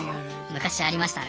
昔ありましたね。